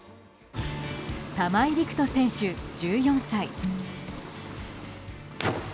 玉井陸斗選手、１４歳。